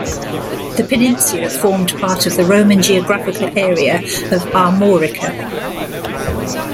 The peninsula formed part of the Roman geographical area of Armorica.